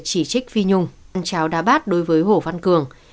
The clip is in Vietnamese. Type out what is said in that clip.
chỉ trích phi nhung ăn trào đá bát đối với hồ văn cường